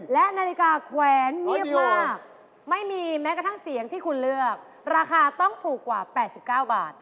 และนาฬิกาแขวนเงียบมากไม่มีแม้กระทั่งเสียงที่คุณเลือกราคาต้องถูกกว่า๘๙บาท